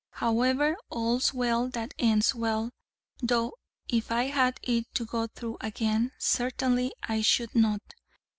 However, all's well that ends well, though if I had it to go through again, certainly I should not.